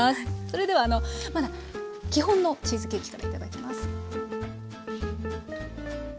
それではまだ基本のチーズケーキからいただきます。